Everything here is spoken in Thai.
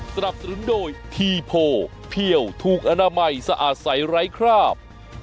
สนับสนุนโดยทีโพเพี่ยวถูกอนามัยสะอาดใสไร้คราบ